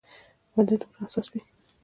بنده دومره حساس وي.